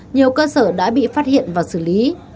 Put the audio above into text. nhiều cơ sở đã bị phát hiện và xử lý